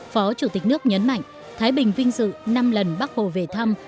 phó chủ tịch nước nhấn mạnh thái bình vinh dự năm lần bác hồ về thăm